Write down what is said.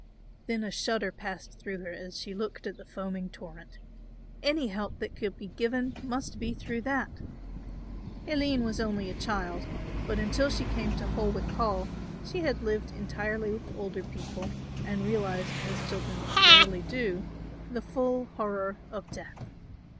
Then a shudder passed through her as she looked at the foaming torrent. Any help that could be given must be through that. Aline was only a child; but until she came to Holwick Hall she had lived entirely with older people and realised as children rarely do the full horror of death.